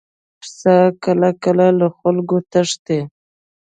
پسه کله کله له خلکو تښتي.